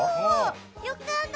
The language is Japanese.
良かった。